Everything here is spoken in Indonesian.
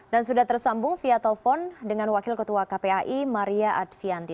dan sudah tersambung via telepon dengan wakil ketua kpai maria advianti